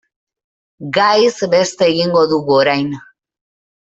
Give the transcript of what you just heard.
Gaiz beste egingo dugu orain.